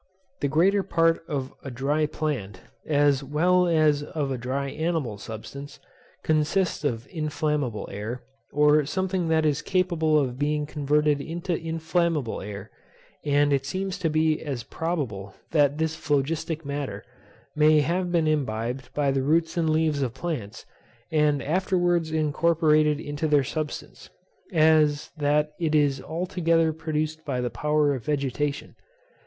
The greater part of a dry plant, as well as of a dry animal substance, consists of inflammable air, or something that is capable of being converted into inflammable air; and it seems to be as probable that this phlogistic matter may have been imbibed by the roots and leaves of plants, and afterwards incorporated into their substance, as that it is altogether produced by the power of vegetation.